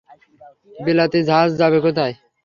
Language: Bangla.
বিলাতি ঝাঁজ যাবে কোথায়!